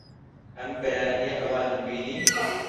ئەم بەیانییە ئەوانت بینی؟